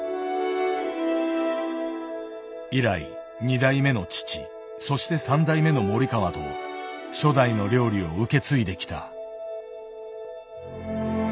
以来２代目の父そして３代目の森川と初代の料理を受け継いできた。